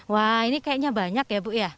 banyaknya ya bu